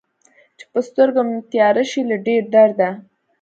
چې په سترګو مې تياره شي له ډېر درده